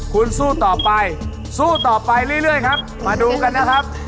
คุณสู้ต่อไปสู้ต่อไปเรื่อยครับมาดูกันนะครับ